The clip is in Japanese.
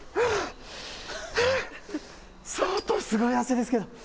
相当すごい汗ですけど。